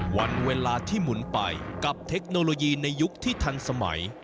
วันเวลาที่หมุนไปกับเทคโนโลยีในยุคที่ทันสมัย